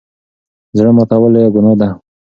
زړه ماتول لويه ګناه ده.